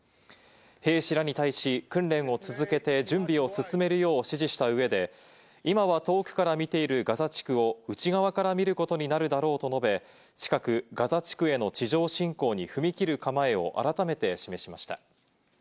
兵士らに対し、訓練を続けて準備を進めるよう指示した上で、今は遠くから見ているガザ地区を内側から見ることになるだろうと述べ、近くガザ地区への地上侵攻に踏み切る構えを改めて示しました。